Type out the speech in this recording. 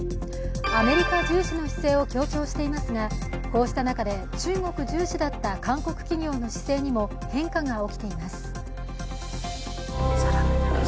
アメリカ重視の姿勢を強調していますが、こうした中で中国重視だった韓国企業の姿勢にも変化が起きています。